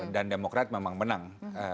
dan demokrat memang menang